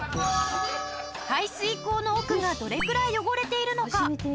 排水口の奥がどれくらい汚れているのか